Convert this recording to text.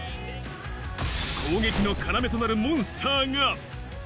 攻撃の要となるモンスターが。